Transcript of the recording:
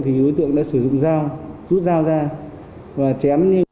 thì đối tượng đã sử dụng dao rút dao ra và chém